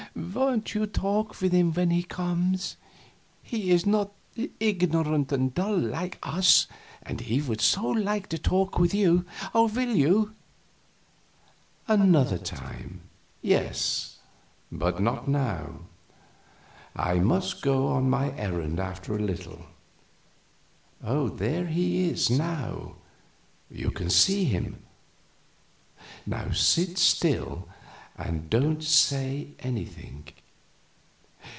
"Won't you talk with him when he comes? He is not ignorant and dull, like us, and he would so like to talk with you. Will you?" "Another time, yes, but not now. I must go on my errand after a little. There he is now; you can see him. Sit still, and don't say anything."